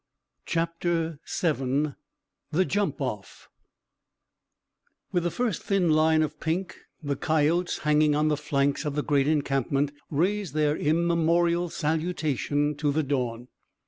CHAPTER VII THE JUMP OFF With the first thin line of pink the coyotes hanging on the flanks of the great encampment raised their immemorial salutation to the dawn.